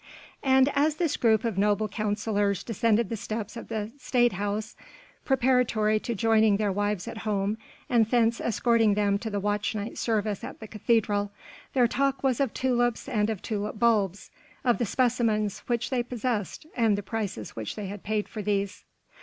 And as this group of noble councillors descended the steps of the Stadhuis, preparatory to joining their wives at home and thence escorting them to the watch night service at the cathedral, their talk was of tulips and of tulip bulbs, of the specimens which they possessed and the prices which they had paid for these.